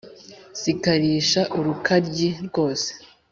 zikarisha urukaryi rwose,